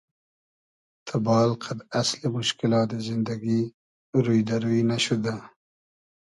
تئبال قئد اسلی موشکیلات زیندگی روی دۂ روی نئشودۂ